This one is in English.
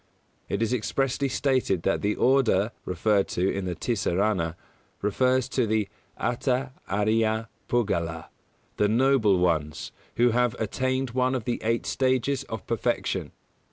It is expressly stated that the Order referred to in the "Tisarana" refers to the "Attha Ariya Puggala" the Noble Ones who have attained one of the eight stages of perfection.